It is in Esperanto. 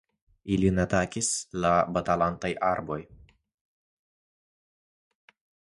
Ilin atakas la Batalantaj Arboj.